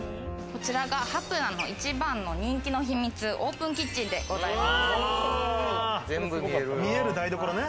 こちらがハプナの一番の人気の秘密、オープンキッチンでござ見える台所ね。